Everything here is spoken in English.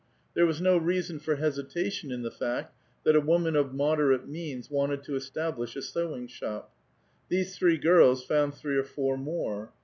There was no reason for hesitation in the fact that a woman of moderate means wanted to establish a sewing shop. These three girls found three or four more.